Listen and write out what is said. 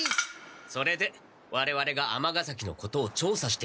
それでわれわれが尼崎のことをちょうさしていたのだ。